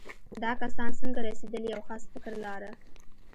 دا کسان څنګه رسېدل یو خاص فکر لاره.